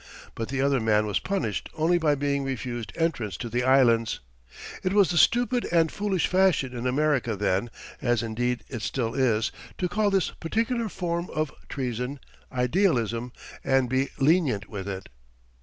But the other man was punished only by being refused entrance to the Islands. It was the stupid and foolish fashion in America then as indeed it still is to call this particular form of treason Idealism, and be lenient with it.